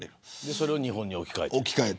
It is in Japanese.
それを日本に置き換えている。